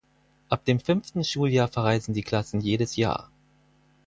Ab dem fünften Schuljahr verreisen die Klassen jedes Jahr.